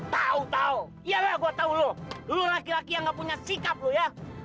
tahu tahu iya gue tahu lo lo laki laki yang nggak punya sikap ya